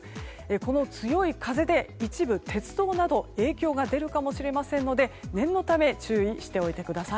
この強い風で一部鉄道など影響が出るかもしれませんので念のため注意しておいてください。